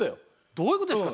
どういう事ですか？